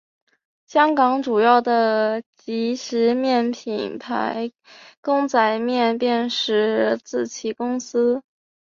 香港主要的即食面品牌公仔面便是出自其公司。